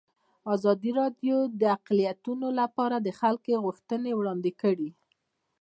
ازادي راډیو د اقلیتونه لپاره د خلکو غوښتنې وړاندې کړي.